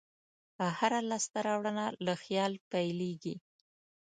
هره لاسته راوړنه له خیال پیلېږي.